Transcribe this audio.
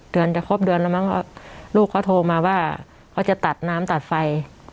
เดือนจะครบเดือนแล้วมั้งลูกเขาโทรมาว่าเขาจะตัดน้ำตัดไฟ